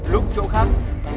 lúc chỗ khác